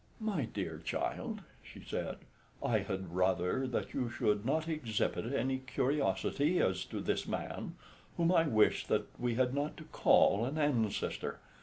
"My dear child," she said, "I had rather that you should not exhibit any curiosity as to this man, whom I wish that we had not to call an ancestor.